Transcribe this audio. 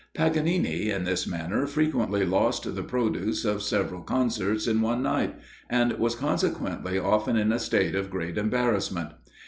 Paganini, in this manner, frequently lost the produce of several concerts in one night, and was consequently often in a state of great embarrassment.